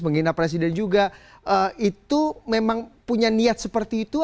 menghina presiden juga itu memang punya niat seperti itu